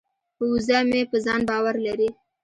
وزه مې په ځان باور لري.